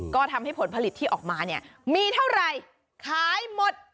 ก็ทำให้ผลผลิตที่ออกมาเนี่ยมีเท่าไหร่ขายหมด